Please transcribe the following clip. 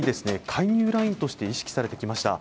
介入ラインとして意識されてきました